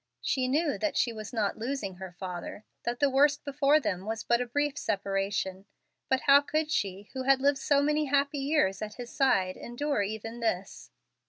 She knew that she was not losing her father, that the worst before them was but a brief separation, but how could she, who had lived so many happy years at his side, endure even this?